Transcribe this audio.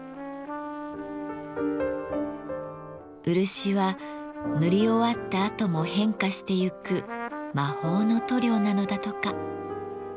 漆は塗り終わったあとも変化してゆく魔法の塗料なのだとか。